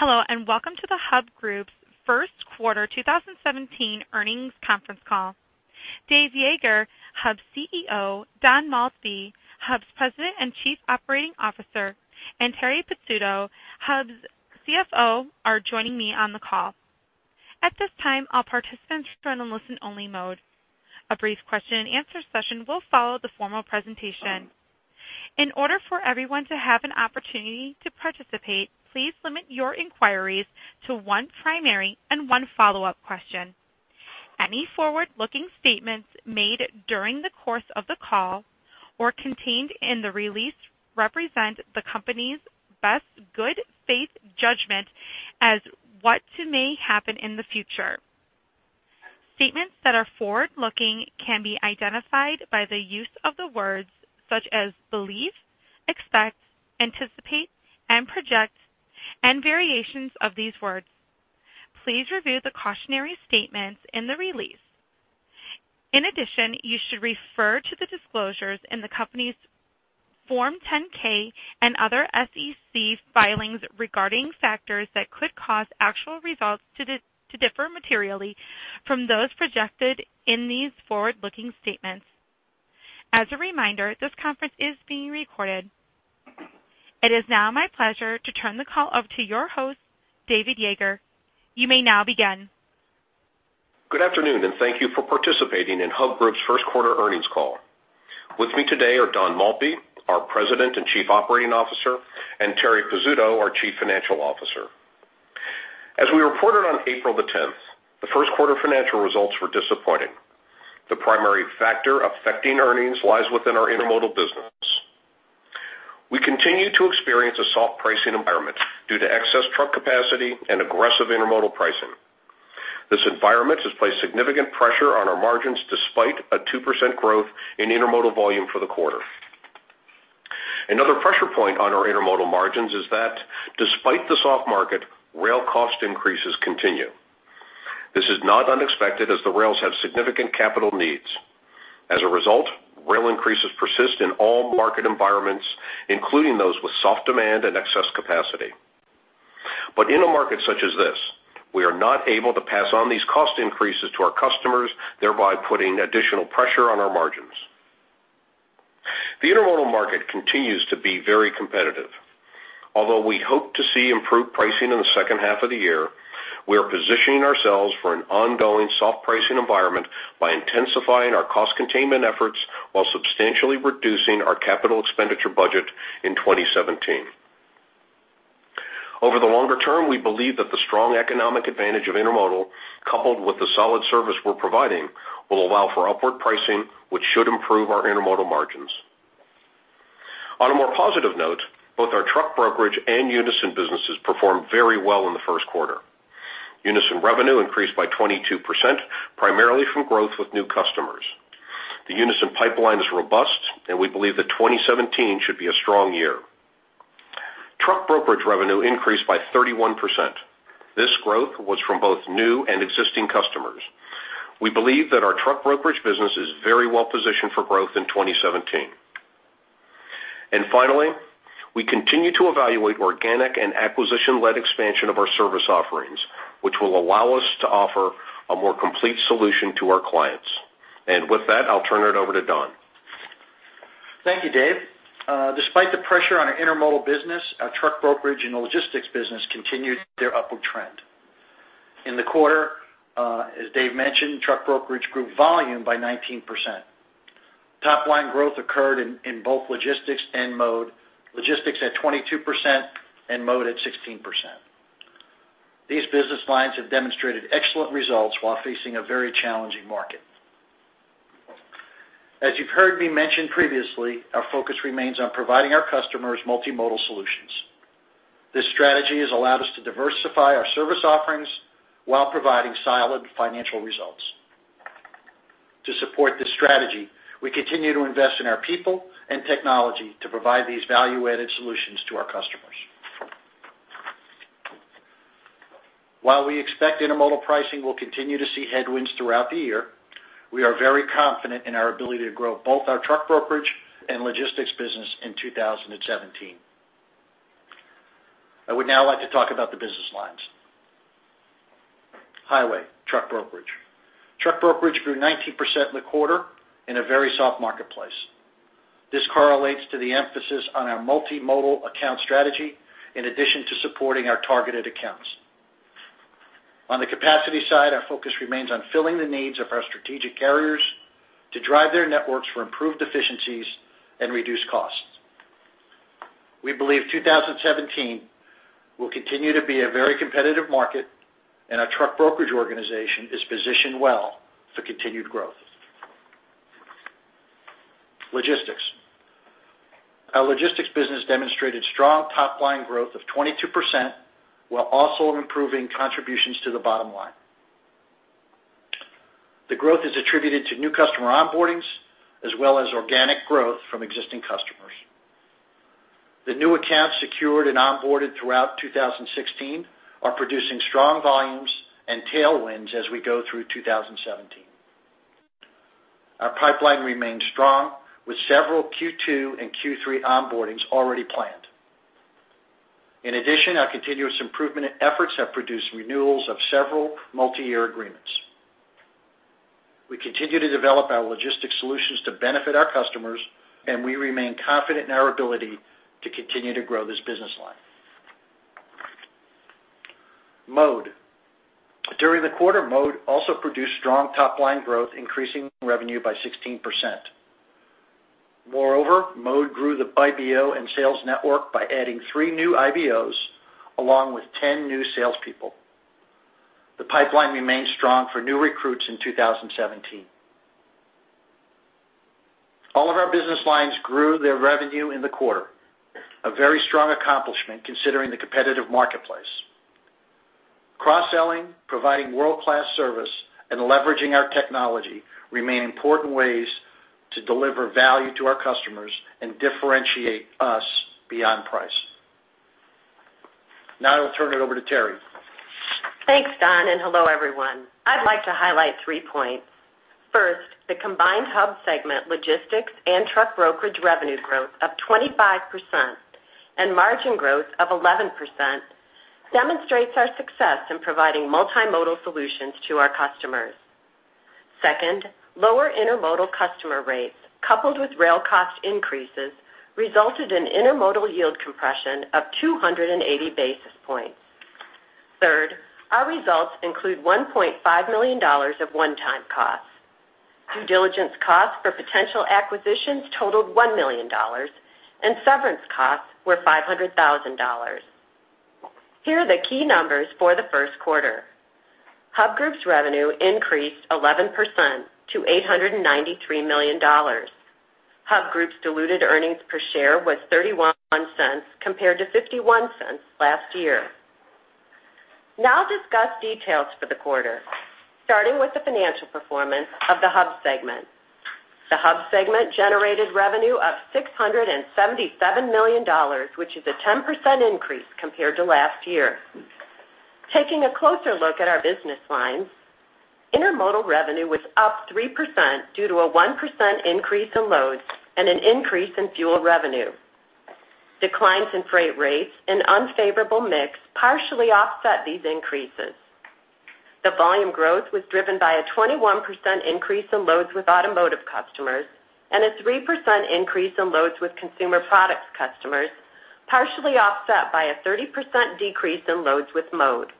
Hello, and welcome to the Hub Group's first quarter 2017 earnings conference call. Dave Yeager, Hub's CEO, Don Maltby, Hub's President and Chief Operating Officer, and Terri Pizzuto, Hub's CFO, are joining me on the call. At this time, all participants are in a listen-only mode. A brief question-and-answer session will follow the formal presentation. In order for everyone to have an opportunity to participate, please limit your inquiries to one primary and one follow-up question. Any forward-looking statements made during the course of the call or contained in the release represent the company's best good faith judgment as to what may happen in the future. Statements that are forward-looking can be identified by the use of the words such as believe, expect, anticipate, and project, and variations of these words. Please review the cautionary statements in the release. In addition, you should refer to the disclosures in the company's Form 10-K and other SEC filings regarding factors that could cause actual results to differ materially from those projected in these forward-looking statements. As a reminder, this conference is being recorded. It is now my pleasure to turn the call over to your host, David Yeager. You may now begin. Good afternoon, and thank you for participating in Hub Group's first quarter earnings call. With me today are Don Maltby, our President and Chief Operating Officer, and Terri Pizzuto, our Chief Financial Officer. As we reported on April 10th, the first quarter financial results were disappointing. The primary factor affecting earnings lies within our intermodal business. We continue to experience a soft pricing environment due to excess truck capacity and aggressive intermodal pricing. This environment has placed significant pressure on our margins despite a 2% growth in intermodal volume for the quarter. Another pressure point on our intermodal margins is that despite the soft market, rail cost increases continue. This is not unexpected, as the rails have significant capital needs. As a result, rail increases persist in all market environments, including those with soft demand and excess capacity. But in a market such as this, we are not able to pass on these cost increases to our customers, thereby putting additional pressure on our margins. The intermodal market continues to be very competitive. Although we hope to see improved pricing in the second half of the year, we are positioning ourselves for an ongoing soft pricing environment by intensifying our cost containment efforts while substantially reducing our capital expenditure budget in 2017. Over the longer term, we believe that the strong economic advantage of intermodal, coupled with the solid service we're providing, will allow for upward pricing, which should improve our intermodal margins. On a more positive note, both our truck brokerage and Unyson businesses performed very well in the first quarter. Unyson revenue increased by 22%, primarily from growth with new customers. The Unyson pipeline is robust, and we believe that 2017 should be a strong year. Truck brokerage revenue increased by 31%. This growth was from both new and existing customers. We believe that our truck brokerage business is very well positioned for growth in 2017. Finally, we continue to evaluate organic and acquisition-led expansion of our service offerings, which will allow us to offer a more complete solution to our clients. With that, I'll turn it over to Don. Thank you, Dave. Despite the pressure on our intermodal business, our truck brokerage and logistics business continued their upward trend. In the quarter, as Dave mentioned, truck brokerage grew volume by 19%. Top-line growth occurred in both logistics and mode, logistics at 22% and mode at 16%. These business lines have demonstrated excellent results while facing a very challenging market. As you've heard me mention previously, our focus remains on providing our customers multimodal solutions. This strategy has allowed us to diversify our service offerings while providing solid financial results. To support this strategy, we continue to invest in our people and technology to provide these value-added solutions to our customers. While we expect intermodal pricing will continue to see headwinds throughout the year, we are very confident in our ability to grow both our truck brokerage and logistics business in 2017. I would now like to talk about the business lines. Highway, truck brokerage. Truck brokerage grew 19% in the quarter in a very soft marketplace. This correlates to the emphasis on our multimodal account strategy, in addition to supporting our targeted accounts. On the capacity side, our focus remains on filling the needs of our strategic carriers to drive their networks for improved efficiencies and reduced costs. We believe 2017 will continue to be a very competitive market, and our truck brokerage organization is positioned well for continued growth. Logistics. Our logistics business demonstrated strong top-line growth of 22%, while also improving contributions to the bottom line. The growth is attributed to new customer onboardings as well as organic growth from existing customers. The new accounts secured and onboarded throughout 2016 are producing strong volumes and tailwinds as we go through 2017. Our pipeline remains strong, with several Q2 and Q3 onboardings already planned. In addition, our continuous improvement efforts have produced renewals of several multi-year agreements. We continue to develop our logistics solutions to benefit our customers, and we remain confident in our ability to continue to grow this business line. Mode. During the quarter, Mode also produced strong top-line growth, increasing revenue by 16%. Moreover, Mode grew the IBO and sales network by adding three new IBOs, along with 10 new salespeople. The pipeline remains strong for new recruits in 2017. All of our business lines grew their revenue in the quarter, a very strong accomplishment considering the competitive marketplace. Cross-selling, providing world-class service, and leveraging our technology remain important ways to deliver value to our customers and differentiate us beyond price. Now I will turn it over to Terri. Thanks, Don, and hello, everyone. I'd like to highlight three points. First, the combined Hub segment, Logistics and Truck Brokerage revenue growth of 25% and margin growth of 11%, demonstrates our success in providing multimodal solutions to our customers. Second, lower intermodal customer rates, coupled with rail cost increases, resulted in intermodal yield compression of 280 basis points. Third, our results include $1.5 million of one-time costs. Due diligence costs for potential acquisitions totaled $1 million, and severance costs were $500,000. Here are the key numbers for the first quarter. Hub Group's revenue increased 11% to $893 million. Hub Group's diluted earnings per share was $0.31, compared to $0.51 last year. Now I'll discuss details for the quarter, starting with the financial performance of the Hub segment. The Hub segment generated revenue of $677 million, which is a 10% increase compared to last year. Taking a closer look at our business lines, intermodal revenue was up 3% due to a 1% increase in loads and an increase in fuel revenue. Declines in freight rates and unfavorable mix partially offset these increases. The volume growth was driven by a 21% increase in loads with automotive customers and a 3% increase in loads with consumer products customers, partially offset by a 30% decrease in loads with Mode.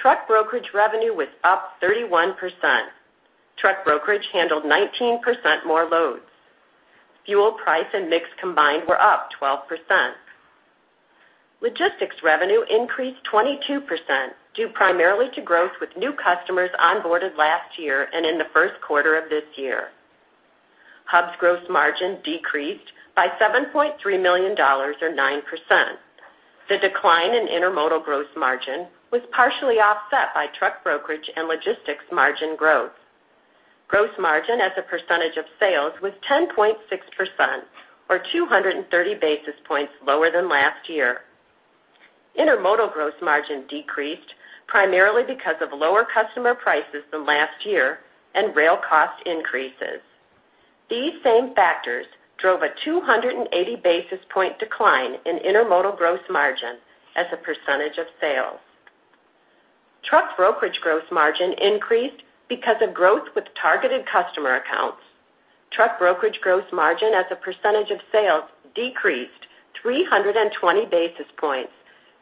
Truck brokerage revenue was up 31%. Truck brokerage handled 19% more loads. Fuel price and mix combined were up 12%. Logistics revenue increased 22%, due primarily to growth with new customers onboarded last year and in the first quarter of this year. Hub's gross margin decreased by $7.3 million, or 9%. The decline in intermodal gross margin was partially offset by truck brokerage and logistics margin growth. Gross margin as a percentage of sales was 10.6%, or 230 basis points lower than last year. Intermodal gross margin decreased primarily because of lower customer prices than last year and rail cost increases. These same factors drove a 280 basis points decline in intermodal gross margin as a percentage of sales. Truck brokerage gross margin increased because of growth with targeted customer accounts. Truck brokerage gross margin as a percentage of sales decreased 320 basis points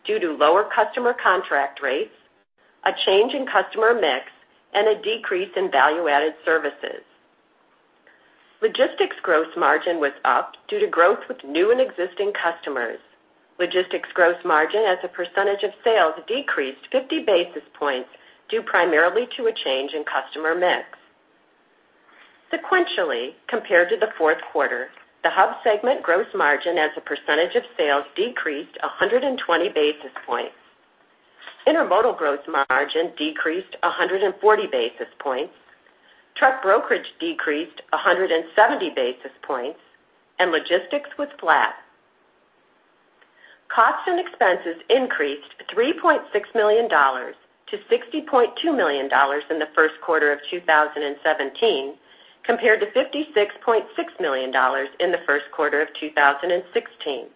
due to lower customer contract rates, a change in customer mix, and a decrease in value-added services. Logistics gross margin was up due to growth with new and existing customers. Logistics gross margin as a percentage of sales decreased 50 basis points, due primarily to a change in customer mix. Sequentially, compared to the fourth quarter, the Hub segment gross margin as a percentage of sales decreased 120 basis points. Intermodal gross margin decreased 140 basis points, truck brokerage decreased 170 basis points, and logistics was flat. Costs and expenses increased $3.6 million to $60.2 million in the first quarter of 2017, compared to $56.6 million in the first quarter of 2016.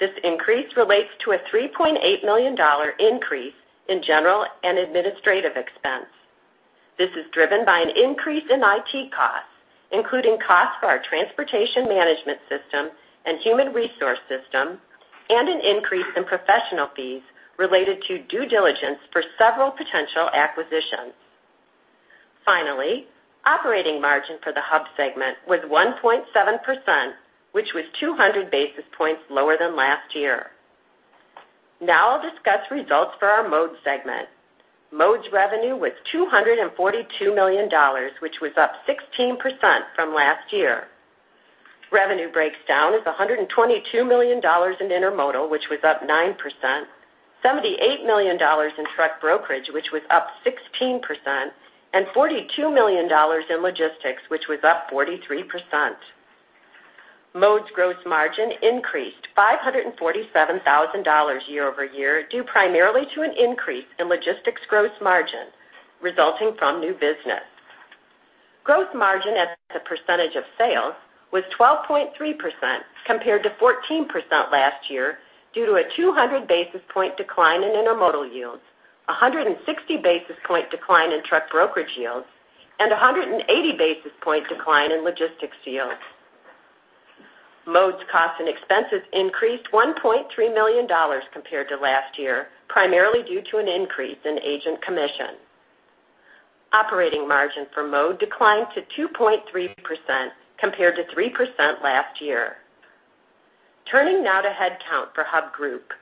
This increase relates to a $3.8 million dollar increase in general and administrative expense. This is driven by an increase in IT costs, including costs for our transportation management system and human resource system, and an increase in professional fees related to due diligence for several potential acquisitions. Finally, operating margin for the Hub segment was 1.7%, which was 200 basis points lower than last year. Now I'll discuss results for our Mode segment. Mode's revenue was $242 million, which was up 16% from last year. Revenue breaks down as $122 million in intermodal, which was up 9%, $78 million in truck brokerage, which was up 16%, and $42 million in logistics, which was up 43%. Mode's gross margin increased $547,000 year-over-year, due primarily to an increase in logistics gross margin resulting from new business. Gross margin as a percentage of sales was 12.3%, compared to 14% last year, due to a 200 basis point decline in intermodal yields, a 160 basis point decline in truck brokerage yields, and a 180 basis point decline in logistics yields. Mode's costs and expenses increased $1.3 million compared to last year, primarily due to an increase in agent commission. Operating margin for Mode declined to 2.3%, compared to 3% last year. Turning now to headcount for Hub Group.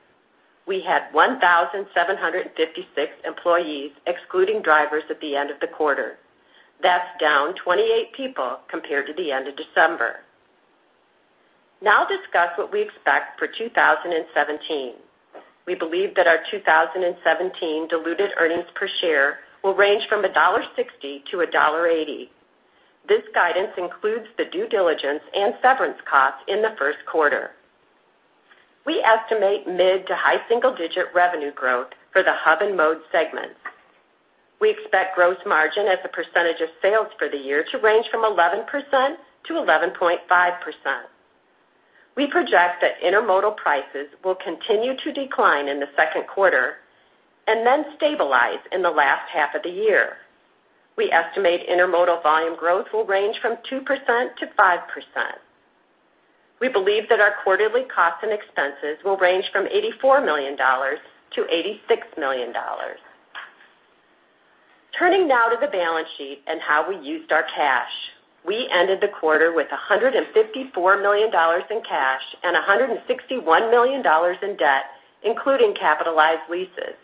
We had 1,756 employees, excluding drivers, at the end of the quarter. That's down 28 people compared to the end of December. Now I'll discuss what we expect for 2017. We believe that our 2017 diluted earnings per share will range from $1.60 to $1.80. This guidance includes the due diligence and severance costs in the first quarter. We estimate mid- to high single-digit revenue growth for the Hub and Mode segments. We expect gross margin as a percentage of sales for the year to range from 11% to 11.5%. We project that intermodal prices will continue to decline in the second quarter and then stabilize in the last half of the year. We estimate intermodal volume growth will range from 2% to 5%. We believe that our quarterly costs and expenses will range from $84 million to $86 million. Turning now to the balance sheet and how we used our cash. We ended the quarter with $154 million in cash and $161 million in debt, including capitalized leases.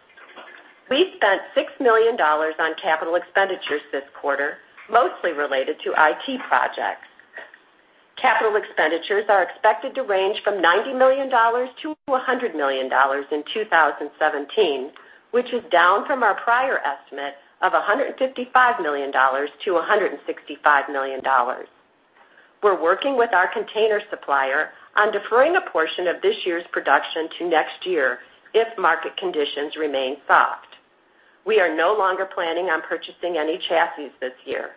We spent $6 million on capital expenditures this quarter, mostly related to IT projects. Capital expenditures are expected to range from $90 million-$100 million in 2017, which is down from our prior estimate of $155 million-$165 million. We're working with our container supplier on deferring a portion of this year's production to next year if market conditions remain soft. We are no longer planning on purchasing any chassis this year.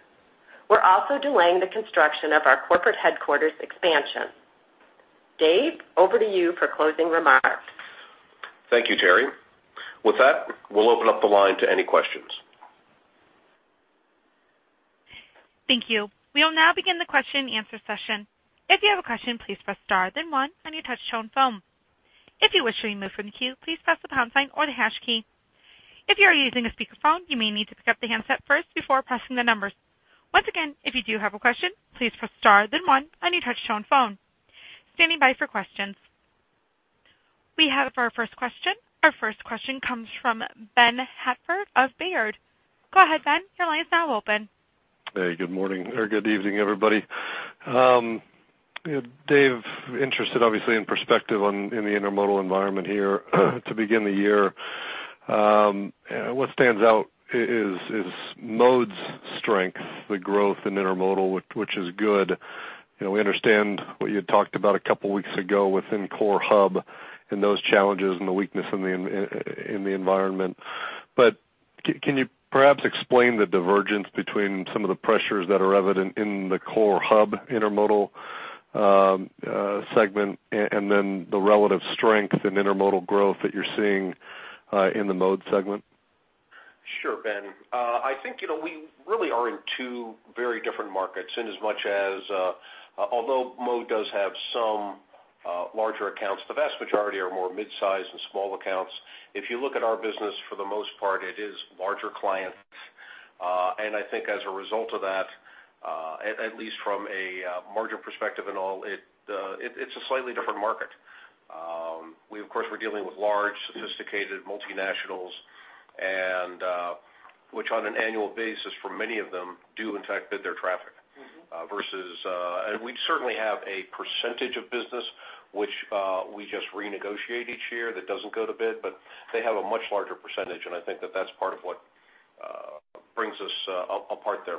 We're also delaying the construction of our corporate headquarters expansion. Dave, over to you for closing remarks. Thank you, Terri. With that, we'll open up the line to any questions. Thank you. We will now begin the question-and-answer session. If you have a question, please press star, then one on your touchtone phone. If you wish to remove from the queue, please press the pound sign or the hash key. If you are using a speakerphone, you may need to pick up the handset first before pressing the numbers. Once again, if you do have a question, please press star, then one on your touchtone phone. Standing by for questions. We have our first question. Our first question comes from Ben Hartford of Baird. Go ahead, Ben. Your line is now open. Hey, good morning, or good evening, everybody. Dave, interested obviously in perspective on the intermodal environment here to begin the year. What stands out is Mode's strength, the growth in intermodal, which is good. You know, we understand what you had talked about a couple weeks ago within core Hub and those challenges and the weakness in the environment. But can you perhaps explain the divergence between some of the pressures that are evident in the core Hub intermodal segment, and then the relative strength and intermodal growth that you're seeing in the Mode segment? Sure, Ben. I think, you know, we really are in two very different markets, inasmuch as, although Mode does have some larger accounts, the vast majority are more mid-sized and small accounts. If you look at our business, for the most part, it is larger clients. I think as a result of that, at least from a margin perspective and all, it's a slightly different market. We, of course, we're dealing with large, sophisticated multinationals, and which on an annual basis, for many of them, do in fact bid their traffic. Mm-hmm. Versus, and we certainly have a percentage of business which we just renegotiate each year, that doesn't go to bid, but they have a much larger percentage, and I think that that's part of what brings us apart there.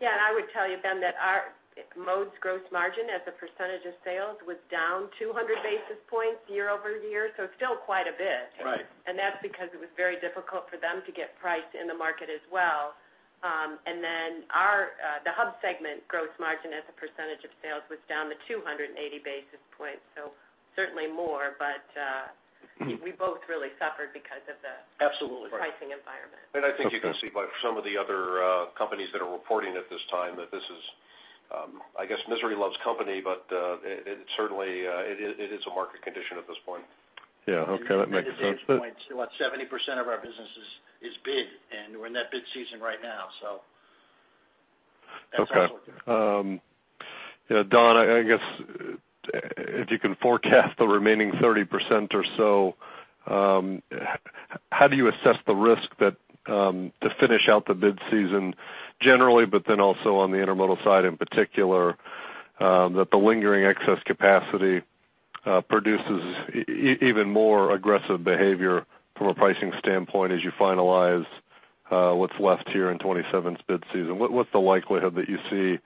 Yeah, and I would tell you, Ben, that our Mode's gross margin as a percentage of sales was down 200 basis points year-over-year, so still quite a bit. Right. That's because it was very difficult for them to get price in the market as well. And then our, the Hub segment gross margin, as a percentage of sales, was down to 280 basis points, so certainly more, but, Mm-hmm. we both really suffered because of the Absolutely. pricing environment. I think you can see by some of the other companies that are reporting at this time that this is, I guess, misery loves company, but it certainly is a market condition at this point. Yeah, okay, that makes sense. To Dave's point, about 70% of our business is bid, and we're in that bid season right now, so that's also, Okay. Yeah, Don, I guess, if you can forecast the remaining 30% or so, how do you assess the risk that to finish out the bid season generally, but then also on the intermodal side in particular, that the lingering excess capacity produces even more aggressive behavior from a pricing standpoint as you finalize what's left here in 2027's bid season. What's the likelihood that you see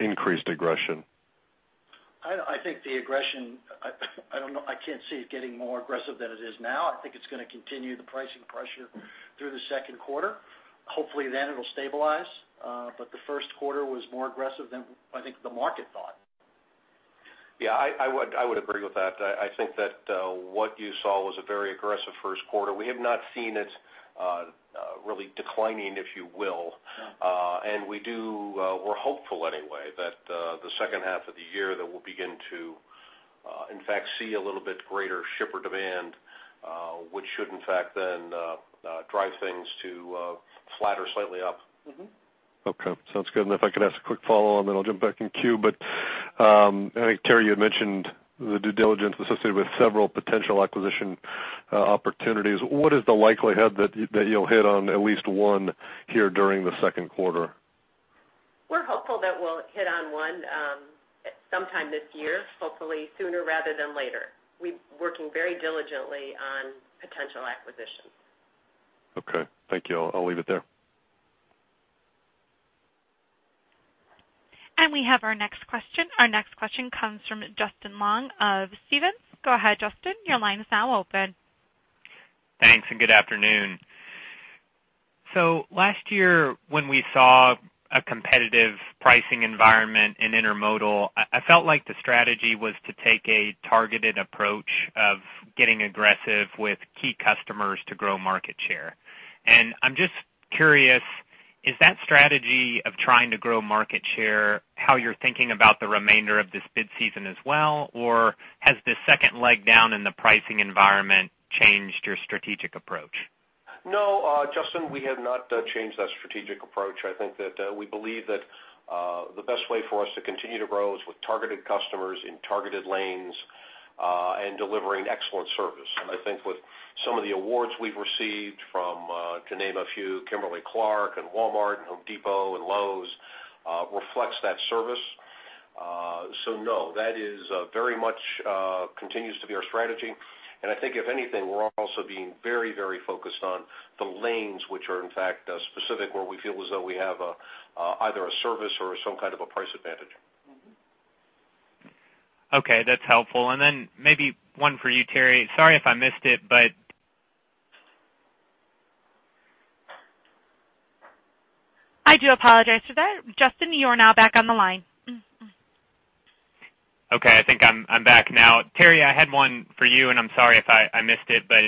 increased aggression? I think the aggression. I don't know, I can't see it getting more aggressive than it is now. I think it's going to continue the pricing pressure through the second quarter. Hopefully, then it'll stabilize, but the first quarter was more aggressive than I think the market thought. Yeah, I would agree with that. I think that what you saw was a very aggressive first quarter. We have not seen it really declining, if you will. And we do, we're hopeful anyway, that the second half of the year we'll begin to, in fact, see a little bit greater shipper demand, which should, in fact, then drive things to flatter slightly up. Mm-hmm. Okay, sounds good. And if I could ask a quick follow-on, then I'll jump back in queue. But, I think, Terri, you had mentioned the due diligence associated with several potential acquisition opportunities. What is the likelihood that you'll hit on at least one here during the second quarter? We're hopeful that we'll hit on one, sometime this year, hopefully sooner rather than later. We're working very diligently on potential acquisitions. Okay, thank you. I'll leave it there. We have our next question. Our next question comes from Justin Long of Stephens. Go ahead, Justin, your line is now open. Thanks, and good afternoon. So last year, when we saw a competitive pricing environment in intermodal, I felt like the strategy was to take a targeted approach of getting aggressive with key customers to grow market share. And I'm just curious, is that strategy of trying to grow market share, how you're thinking about the remainder of this bid season as well? Or has the second leg down in the pricing environment changed your strategic approach? No, Justin, we have not changed that strategic approach. I think that we believe that the best way for us to continue to grow is with targeted customers in targeted lanes, and delivering excellent service. And I think with some of the awards we've received from, to name a few, Kimberly-Clark, and Walmart, and Home Depot, and Lowe's, reflects that service. So no, that is very much continues to be our strategy. And I think if anything, we're also being very, very focused on the lanes, which are, in fact, specific, where we feel as though we have either a service or some kind of a price advantage. Okay, that's helpful. And then maybe one for you, Terri. Sorry if I missed it, but [inaudible] I do apologize for that. Justin, you are now back on the line. Okay, I think I'm back now. Terri, I had one for you, and I'm sorry if I missed it, but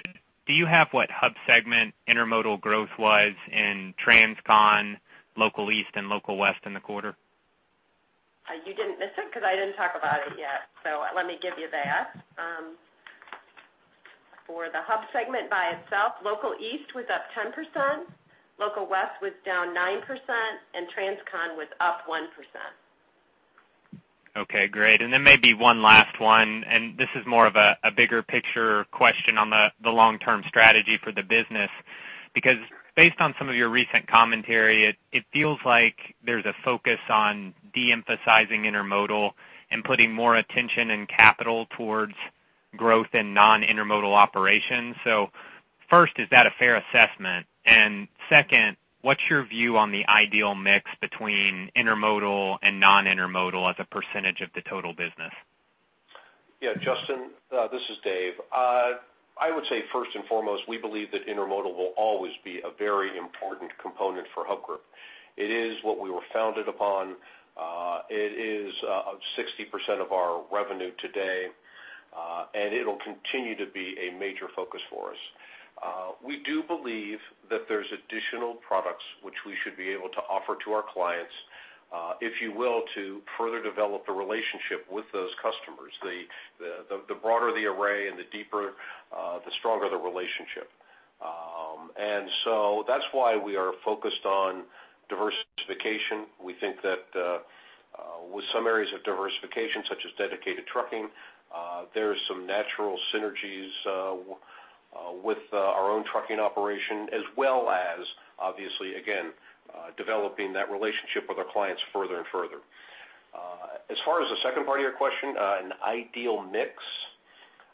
do you have what Hub segment intermodal growth was in Transcon, Local East, and Local West in the quarter? You didn't miss it, because I didn't talk about it yet. Let me give you that. For the Hub segment by itself, Local East was up 10%, Local West was down 9%, and Transcon was up 1%. Okay, great. And then maybe one last one, and this is more of a bigger picture question on the long-term strategy for the business. Because based on some of your recent commentary, it feels like there's a focus on de-emphasizing intermodal and putting more attention and capital towards growth in non-intermodal operations. So first, is that a fair assessment? And second, what's your view on the ideal mix between intermodal and non-intermodal as a percentage of the total business? Yeah, Justin, this is Dave. I would say, first and foremost, we believe that intermodal will always be a very important component for Hub Group. It is what we were founded upon. It is 60% of our revenue today, and it'll continue to be a major focus for us. We do believe that there's additional products which we should be able to offer to our clients, if you will, to further develop the relationship with those customers. The broader the array and the deeper, the stronger the relationship. And so that's why we are focused on diversification. We think that with some areas of diversification, such as dedicated trucking, there are some natural synergies with our own trucking operation, as well as obviously, again, developing that relationship with our clients further and further. As far as the second part of your question, an ideal mix,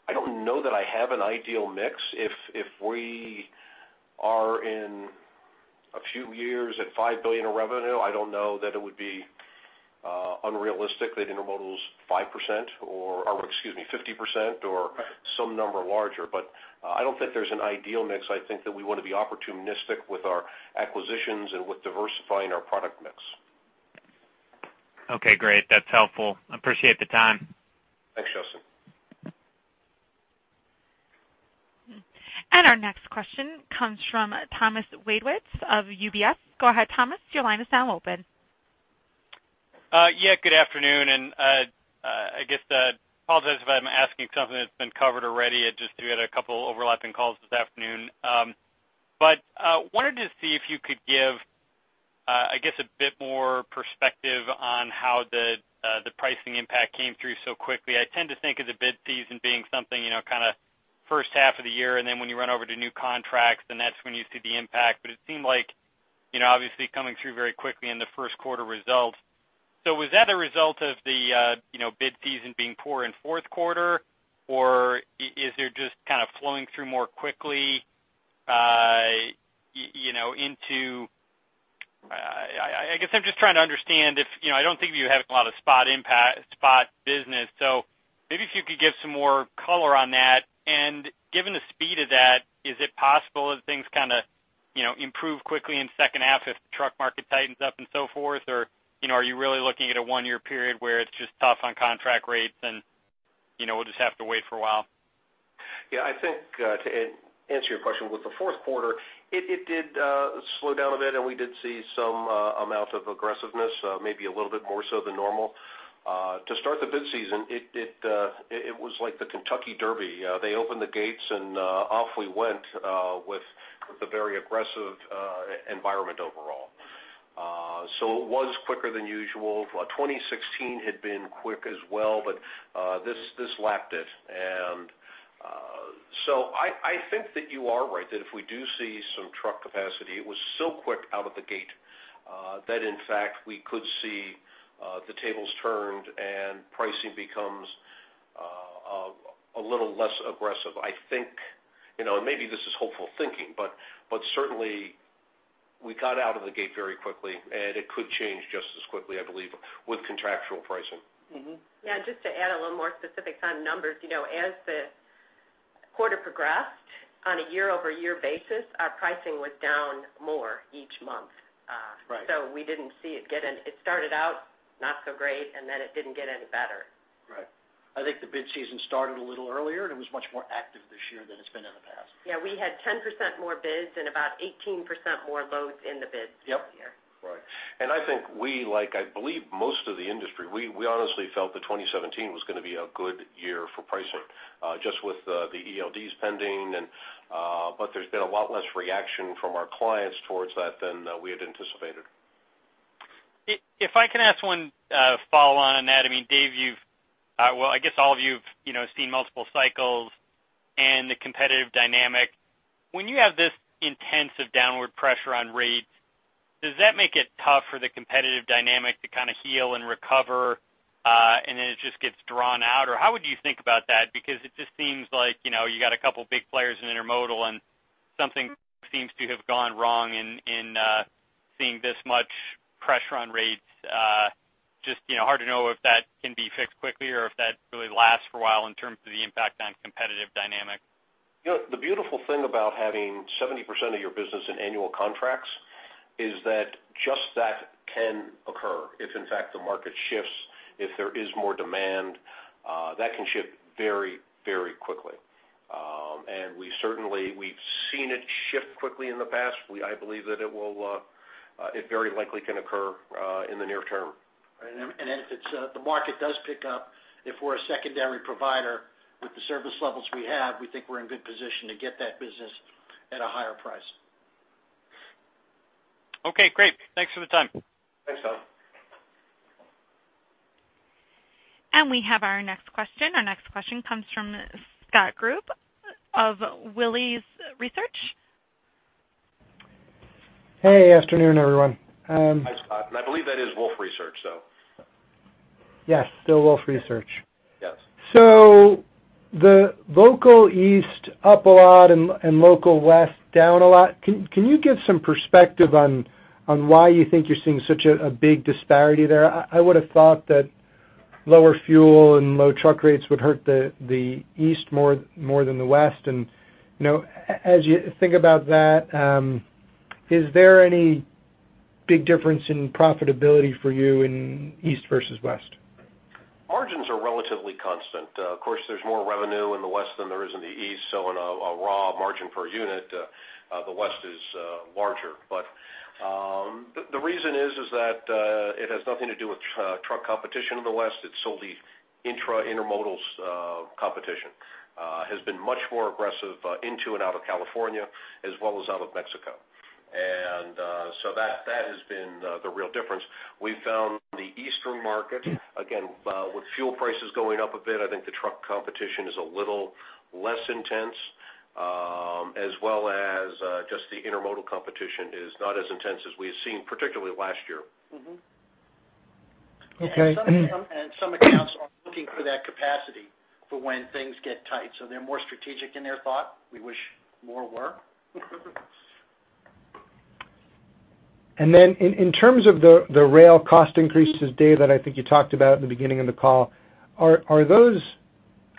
I don't know that I have an ideal mix. If we are in a few years at $5 billion of revenue, I don't know that it would be unrealistic that intermodal is 5% or, excuse me, 50% or some number larger. But I don't think there's an ideal mix. I think that we want to be opportunistic with our acquisitions and with diversifying our product mix. Okay, great. That's helpful. I appreciate the time. Thanks, Justin. Our next question comes from Thomas Wadewitz of UBS. Go ahead, Thomas, your line is now open. Yeah, good afternoon. I guess, apologize if I'm asking something that's been covered already. It just we had a couple overlapping calls this afternoon. But wanted to see if you could give, I guess, a bit more perspective on how the pricing impact came through so quickly. I tend to think of the bid season being something, you know, kind of first half of the year, and then when you run over to new contracts, then that's when you see the impact. But it seemed like you know, obviously coming through very quickly in the first quarter results. So was that a result of the, you know, bid season being poor in fourth quarter? Or is there just kind of flowing through more quickly, you know, into, I guess I'm just trying to understand if, you know, I don't think you have a lot of spot impact-spot business, so maybe if you could give some more color on that. And given the speed of that, is it possible as things kind of, you know, improve quickly in second half if the truck market tightens up and so forth? Or, you know, are you really looking at a one-year period where it's just tough on contract rates, and, you know, we'll just have to wait for a while? Yeah, I think, to answer your question, with the fourth quarter, it did slow down a bit, and we did see some amount of aggressiveness, maybe a little bit more so than normal. To start the bid season, it was like the Kentucky Derby. They opened the gates, and off we went with the very aggressive environment overall. So it was quicker than usual. 2016 had been quick as well, but this lapped it. And so I think that you are right, that if we do see some truck capacity, it was so quick out of the gate that in fact, we could see the tables turned and pricing becomes a little less aggressive. I think, you know, and maybe this is hopeful thinking, but, but certainly, we got out of the gate very quickly, and it could change just as quickly, I believe, with contractual pricing. Mm-hmm. Yeah, just to add a little more specifics on numbers. You know, as the quarter progressed, on a year-over-year basis, our pricing was down more each month. So we didn't see it get in. It started out not so great, and then it didn't get any better. Right. I think the bid season started a little earlier, and it was much more active this year than it's been in the past. Yeah, we had 10% more bids and about 18% more loads in the bids- Yep this year. Right. And I think we, like I believe most of the industry, we honestly felt that 2017 was going to be a good year for pricing, just with the ELDs pending and but there's been a lot less reaction from our clients towards that than we had anticipated. If I can ask one follow-on on that. I mean, Dave, you've, well, I guess all of you've, you know, seen multiple cycles and the competitive dynamic. When you have this intensive downward pressure on rates, does that make it tough for the competitive dynamic to kind of heal and recover, and then it just gets drawn out? Or how would you think about that? Because it just seems like, you know, you got a couple big players in intermodal, and something seems to have gone wrong in seeing this much pressure on rates. Just, you know, hard to know if that can be fixed quickly or if that really lasts for a while in terms of the impact on competitive dynamic. You know, the beautiful thing about having 70% of your business in annual contracts is that just that can occur. If in fact, the market shifts, if there is more demand, that can shift very, very quickly. And we certainly, we've seen it shift quickly in the past. I believe that it will, it very likely can occur, in the near term. And if it's the market does pick up, if we're a secondary provider with the service levels we have, we think we're in good position to get that business at a higher price. Okay, great. Thanks for the time. We have our next question. Our next question comes from Scott Group of Wolfe Research. Hey, afternoon, everyone, Hi, Scott, and I believe that is Wolfe Research, so. Yes, still Wolfe Research. Yes. So the Local East up a lot, and Local West down a lot. Can you give some perspective on why you think you're seeing such a big disparity there? I would have thought that lower fuel and low truck rates would hurt the east more than the west. And, you know, as you think about that, is there any big difference in profitability for you in east versus west? Margins are relatively constant. Of course, there's more revenue in the west than there is in the east, so in a raw margin per unit, the west is larger. But the reason is that it has nothing to do with truck competition in the west. It's solely intermodal competition has been much more aggressive into and out of California, as well as out of Mexico. And so that has been the real difference. We found the eastern market, again, with fuel prices going up a bit. I think the truck competition is a little less intense, as well as just the intermodal competition is not as intense as we had seen, particularly last year. Mm-hmm. Okay. Some accounts are looking for that capacity for when things get tight, so they're more strategic in their thought. We wish more were. And then, in terms of the rail cost increases, Dave, that I think you talked about at the beginning of the call, are those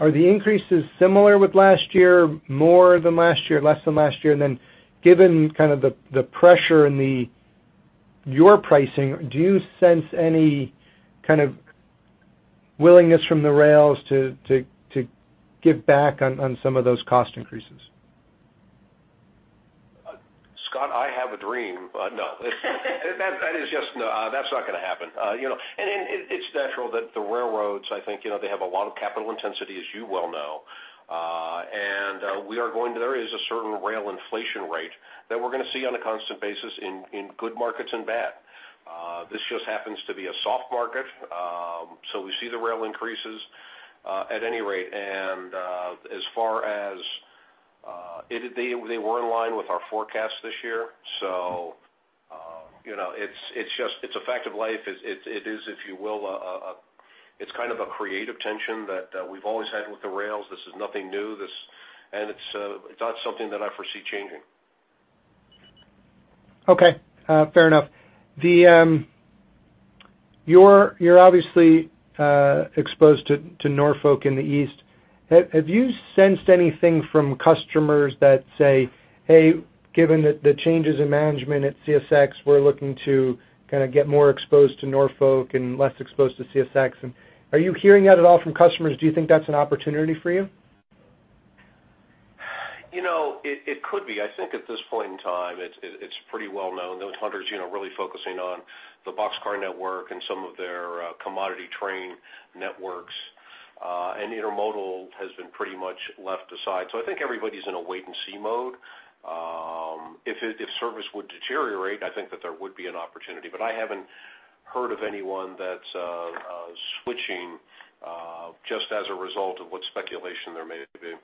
increases similar with last year, more than last year, less than last year? And then, given kind of the pressure in your pricing, do you sense any kind of willingness from the rails to give back on some of those cost increases? Scott, I have a dream. No. That is just, that's not going to happen. You know, and it, it's natural that the railroads, I think, you know, they have a lot of capital intensity, as you well know. And, we are going to... There is a certain rail inflation rate that we're going to see on a constant basis in good markets and bad. This just happens to be a soft market, so we see the rail increases, at any rate. And, as far as, it they were in line with our forecast this year. So, you know, it's just, it's a fact of life. It is, if you will, it's kind of a creative tension that we've always had with the rails. This is nothing new. It's, it's not something that I foresee changing. Okay, fair enough. The, you're obviously exposed to Norfolk in the East. Have you sensed anything from customers that say, "Hey, given the changes in management at CSX, we're looking to kind of get more exposed to Norfolk and less exposed to CSX?" And are you hearing that at all from customers? Do you think that's an opportunity for you? You know, it could be. I think at this point in time, it's pretty well known that Hunter's, you know, really focusing on the boxcar network and some of their commodity train networks, and intermodal has been pretty much left aside. So I think everybody's in a wait-and-see mode. If service would deteriorate, I think that there would be an opportunity, but I haven't heard of anyone that's switching, just as a result of what speculation there may be.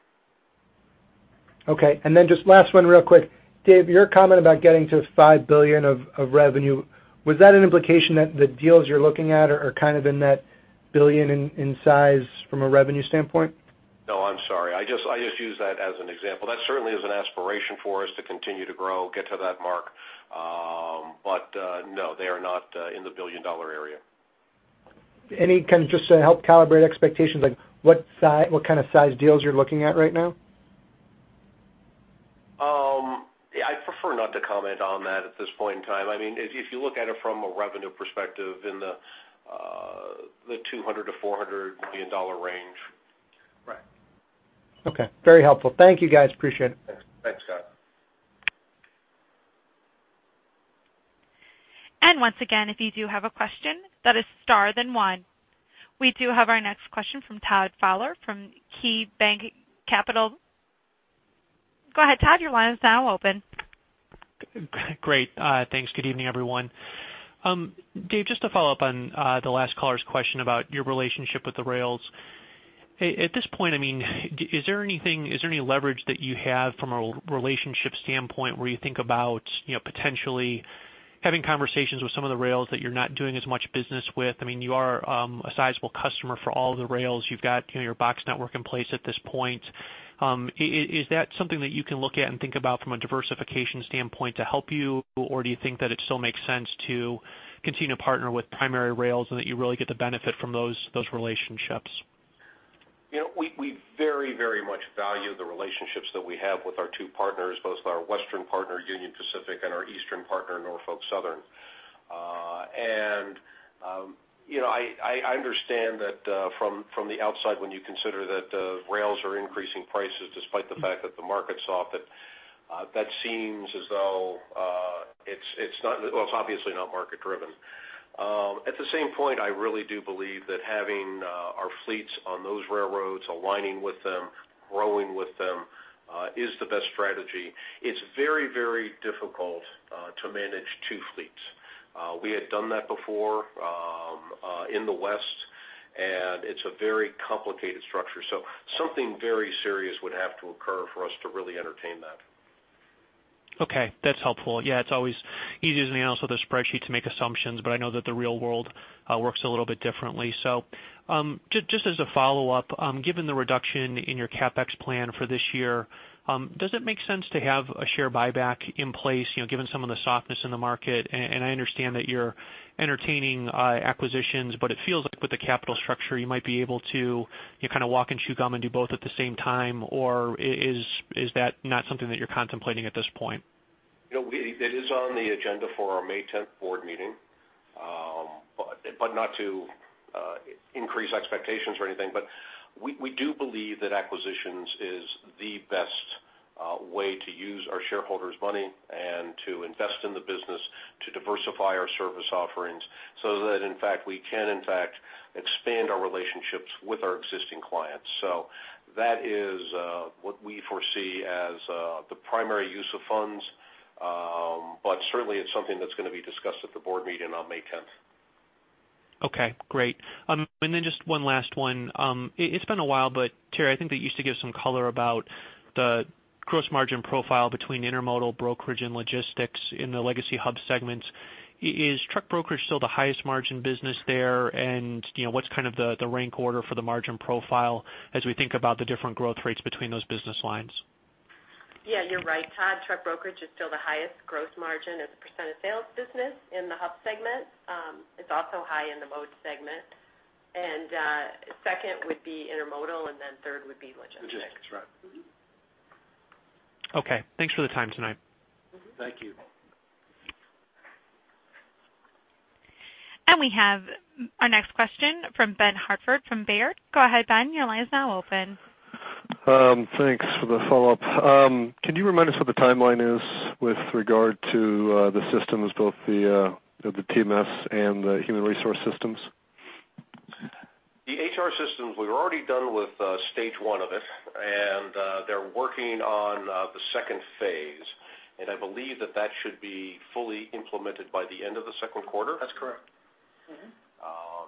Okay. And then just last one real quick. Dave, your comment about getting to $5 billion of revenue, was that an implication that the deals you're looking at are kind of in that $1 billion in size from a revenue standpoint? No, I'm sorry. I just used that as an example. That certainly is an aspiration for us to continue to grow, get to that mark. But no, they are not in the billion-dollar area. And, kind of just to help calibrate expectations, like what kind of size deals you're looking at right now? Yeah, I'd prefer not to comment on that at this point in time. I mean, if, if you look at it from a revenue perspective in the $200 million-$400 million range. Right. Okay, very helpful. Thank you, guys. Appreciate it. Thanks, Scott. Once again, if you do have a question, that is star then one. We do have our next question from Todd Fowler from KeyBanc Capital Markets. Go ahead, Todd, your line is now open. Great, thanks. Good evening, everyone. Dave, just to follow up on the last caller's question about your relationship with the rails. At this point, I mean, is there anything, is there any leverage that you have from a relationship standpoint, where you think about, you know, potentially having conversations with some of the rails that you're not doing as much business with? I mean, you are a sizable customer for all the rails. You've got, you know, your box network in place at this point. Is that something that you can look at and think about from a diversification standpoint to help you, or do you think that it still makes sense to continue to partner with primary rails and that you really get the benefit from those relationships? You know, we very much value the relationships that we have with our two partners, both our western partner, Union Pacific, and our eastern partner, Norfolk Southern. And you know, I understand that, from the outside, when you consider that the rails are increasing prices despite the fact that the market's off, but that seems as though it's not well, it's obviously not market driven. At the same point, I really do believe that having our fleets on those railroads, aligning with them, growing with them, is the best strategy. It's very, very difficult to manage two fleets. We had done that before, in the West, and it's a very complicated structure. So something very serious would have to occur for us to really entertain that. Okay, that's helpful. Yeah, it's always easier than the analysis of the spreadsheet to make assumptions, but I know that the real world works a little bit differently. So, just as a follow-up, given the reduction in your CapEx plan for this year, does it make sense to have a share buyback in place, you know, given some of the softness in the market? And I understand that you're entertaining acquisitions, but it feels like with the capital structure, you might be able to, you kind of walk and chew gum and do both at the same time, or is that not something that you're contemplating at this point? You know, we it is on the agenda for our May 10th board meeting, but not to increase expectations or anything, but we do believe that acquisitions is the best way to use our shareholders' money and to invest in the business, to diversify our service offerings so that in fact, we can in fact, expand our relationships with our existing clients. So that is what we foresee as the primary use of funds, but certainly it's something that's going to be discussed at the board meeting on May 10th. Okay, great. And then just one last one. It's been a while, but Terri, I think that you used to give some color about the gross margin profile between intermodal, brokerage, and logistics in the legacy Hub segments. Is truck brokerage still the highest margin business there? And, you know, what's kind of the rank order for the margin profile as we think about the different growth rates between those business lines? Yeah, you're right, Todd. Truck brokerage is still the highest gross margin as a percent of sales business in the Hub segment. It's also high in the Mode segment. And, second would be intermodal, and then third would be logistics. Logistics, right. Mm-hmm. Okay, thanks for the time tonight. Mm-hmm, thank you. We have our next question from Ben Hartford, from Baird. Go ahead, Ben, your line is now open. Thanks for the follow-up. Can you remind us what the timeline is with regard to the systems, both the TMS and the human resource systems? The HR systems, we're already done with stage one of it, and they're working on the second phase. And I believe that that should be fully implemented by the end of the second quarter? That's correct.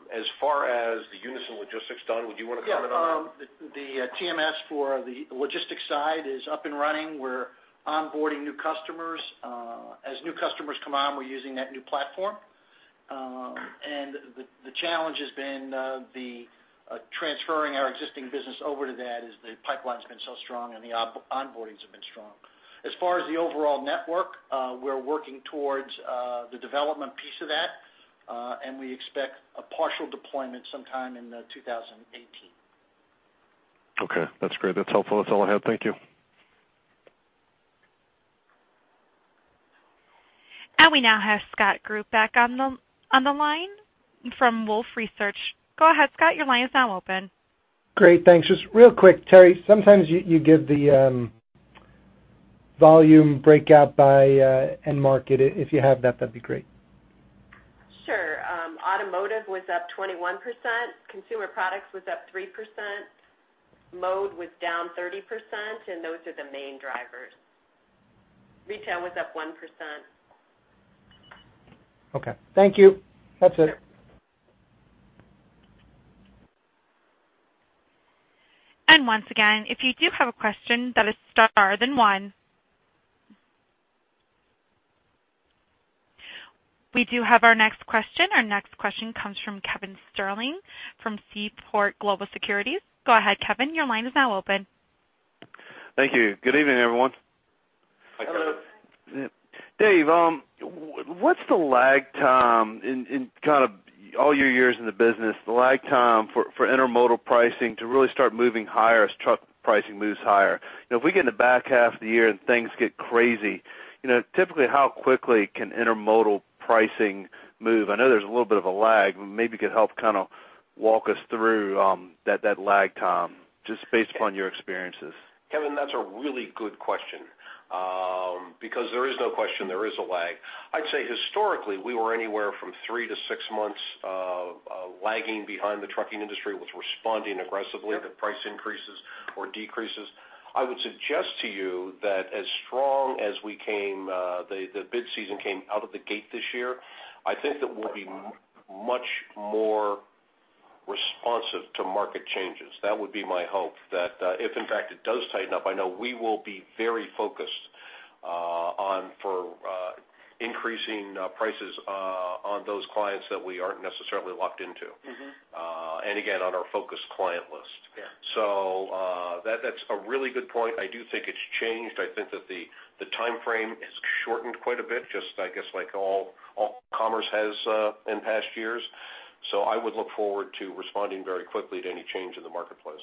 Mm-hmm. As far as the Unyson Logistics, Don, would you want to comment on that? Yeah. The TMS for the logistics side is up and running. We're onboarding new customers. As new customers come on, we're using that new platform. And the challenge has been transferring our existing business over to that, is the pipeline's been so strong and the onboardings have been strong. As far as the overall network, we're working towards the development piece of that, and we expect a partial deployment sometime in 2018. Okay, that's great. That's helpful. That's all I have. Thank you. We now have Scott Group back on the line from Wolfe Research. Go ahead, Scott. Your line is now open. Great, thanks. Just real quick, Terri, sometimes you give the volume breakout by end market. If you have that, that'd be great. Sure. Automotive was up 21%, consumer products was up 3%, mode was down 30%, and those are the main drivers. Retail was up 1%. Okay. Thank you. That's it. Once again, if you do have a question that is star, then one. We do have our next question. Our next question comes from Kevin Sterling from Seaport Global Securities. Go ahead, Kevin, your line is now open. Thank you. Good evening, everyone. Hello. Dave, what's the lag time, in kind of all your years in the business, the lag time for intermodal pricing to really start moving higher as truck pricing moves higher? Now, if we get in the back half of the year and things get crazy, you know, typically, how quickly can intermodal pricing move? I know there's a little bit of a lag. Maybe you could help kind of walk us through that lag time, just based upon your experiences. Kevin, that's a really good question, because there is no question, there is a lag. I'd say historically, we were anywhere from three to six months of lagging behind the trucking industry, was responding aggressively to price increases or decreases. I would suggest to you that as strong as we came, the bid season came out of the gate this year, I think that we'll be much more responsive to market changes. That would be my hope, that if in fact it does tighten up, I know we will be very focused on increasing prices on those clients that we aren't necessarily locked into. Mm-hmm. And again, on our focus client list. Yeah. So, that's a really good point. I do think it's changed. I think that the timeframe has shortened quite a bit, just, I guess, like all commerce has in past years. So I would look forward to responding very quickly to any change in the marketplace.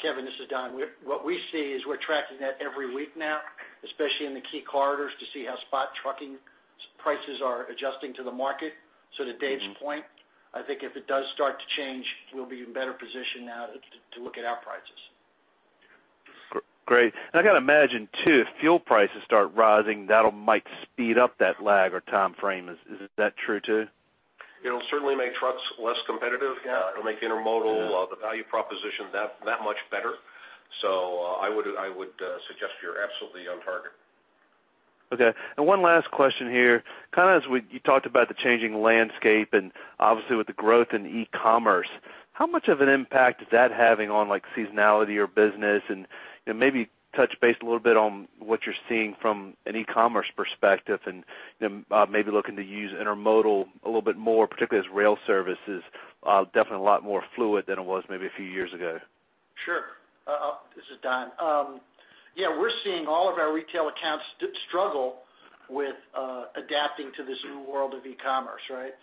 Kevin, this is Don. What we see is we're tracking that every week now, especially in the key corridors, to see how spot trucking prices are adjusting to the market. Mm-hmm. So to Dave's point, I think if it does start to change, we'll be in better position now to look at our prices. Great. And I gotta imagine, too, if fuel prices start rising, that'll might speed up that lag or timeframe. Is that true, too? It'll certainly make trucks less competitive. Yeah. It'll make intermodal [Yeah] the value proposition that much better. So, I would suggest you're absolutely on target. Okay. One last question here. Kind of as you talked about the changing landscape and obviously with the growth in e-commerce, how much of an impact is that having on, like, seasonality or business? Maybe touch base a little bit on what you're seeing from an e-commerce perspective, and then maybe looking to use intermodal a little bit more, particularly as rail service is definitely a lot more fluid than it was maybe a few years ago. Sure. This is Don. Yeah, we're seeing all of our retail accounts struggle with adapting to this new world of e-commerce, right?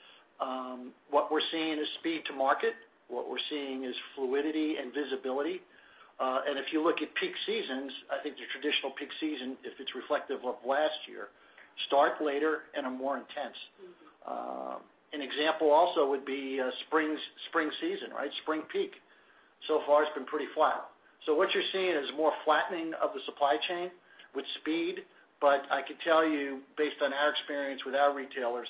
What we're seeing is speed to market. What we're seeing is fluidity and visibility. And if you look at peak seasons, I think the traditional peak season, if it's reflective of last year, start later and are more intense. Mm-hmm. An example also would be, spring's spring season, right? Spring peak. So far, it's been pretty flat. So what you're seeing is more flattening of the supply chain with speed, but I can tell you, based on our experience with our retailers,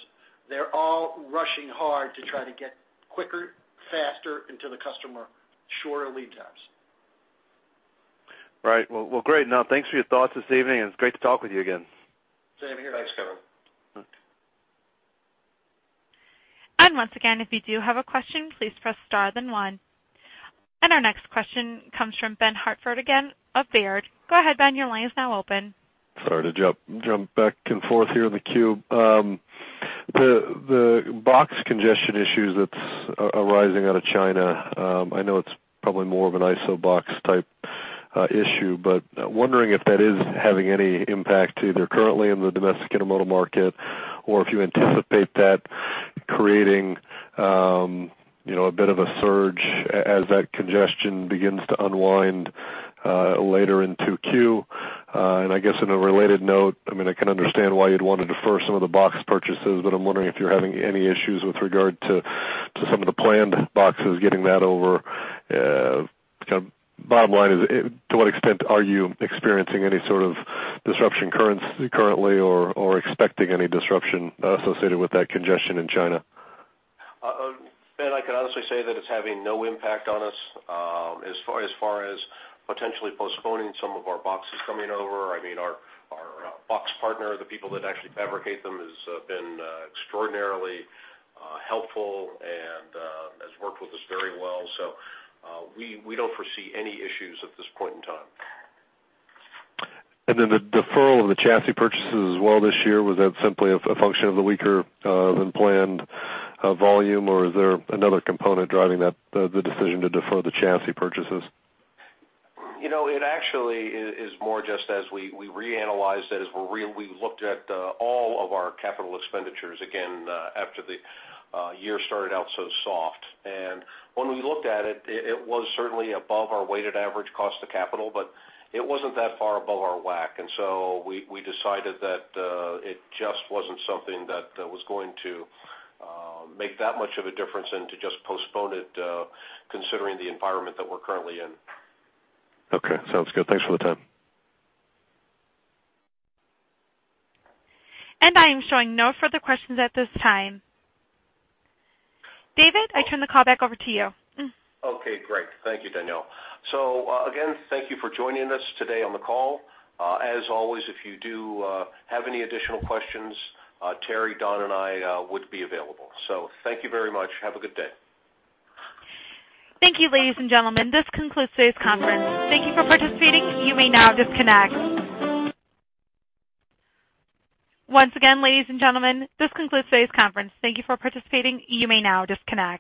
they're all rushing hard to try to get quicker, faster into the customer, shorter lead times. Right. Well, well, great. Now, thanks for your thoughts this evening, and it's great to talk with you again. Same here. Thanks, Kevin. Okay. Once again, if you do have a question, please press star then one. Our next question comes from Ben Hartford, again, of Baird. Go ahead, Ben, your line is now open. Sorry to jump back and forth here in the queue. The box congestion issues that's arising out of China, I know it's probably more of an ISO box type issue, but wondering if that is having any impact, either currently in the domestic intermodal market, or if you anticipate that creating, you know, a bit of a surge as that congestion begins to unwind, later into Q? And I guess in a related note, I mean, I can understand why you'd want to defer some of the box purchases, but I'm wondering if you're having any issues with regard to, to some of the planned boxes getting that over, kind of bottom line is, to what extent are you experiencing any sort of disruption currently or, or expecting any disruption, associated with that congestion in China? Ben, I can honestly say that it's having no impact on us. As far as potentially postponing some of our boxes coming over, I mean, our box partner, the people that actually fabricate them, has been extraordinarily helpful and has worked with us very well. So, we don't foresee any issues at this point in time. And then the deferral of the chassis purchases as well this year, was that simply a function of the weaker than planned volume, or is there another component driving that, the decision to defer the chassis purchases? You know, it actually is more just as we reanalyzed it, as we looked at all of our capital expenditures again, after the year started out so soft. When we looked at it, it was certainly above our weighted average cost of capital, but it wasn't that far above our WAC. So we decided that it just wasn't something that was going to make that much of a difference and to just postpone it, considering the environment that we're currently in. Okay. Sounds good. Thanks for the time. I am showing no further questions at this time. David, I turn the call back over to you. Okay, great. Thank you, Danielle. So, again, thank you for joining us today on the call. As always, if you do have any additional questions, Terri, Don, and I would be available. So thank you very much. Have a good day. Thank you, ladies and gentlemen. This concludes today's conference. Thank you for participating. You may now disconnect. Once again, ladies and gentlemen, this concludes today's conference. Thank you for participating. You may now disconnect.